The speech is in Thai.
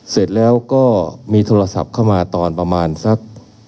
เสร็จแล้วก็มีโทรศัพท์เข้ามาตอนประมาณสัก